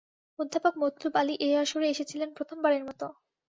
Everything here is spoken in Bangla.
অধ্যাপক মতলুব আলী এ আসরে এসেছিলেন প্রথমবারের মতো।